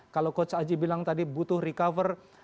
kalau coach aji bilang tadi butuh recover